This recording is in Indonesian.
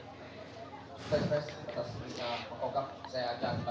pada sebetulnya pangkogab saya akan bacakan dengan acara seperti ini